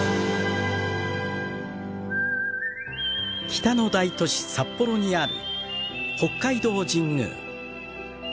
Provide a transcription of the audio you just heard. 北の大都市札幌にある北海道神宮。